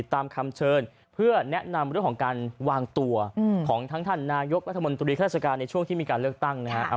ตามคำเชิญเพื่อแนะนำเรื่องของการวางตัวของทั้งท่านนายกรัฐมนตรีข้าราชการในช่วงที่มีการเลือกตั้งนะฮะ